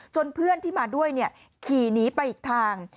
เพื่อนที่มาด้วยขี่หนีไปอีกทาง